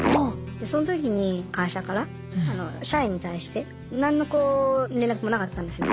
その時に会社から社員に対して何のこう連絡もなかったんですよね。